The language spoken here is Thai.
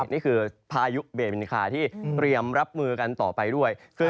นี่คือพายุเบมินิคาที่เตรียมรับมือกันต่อไปด้วย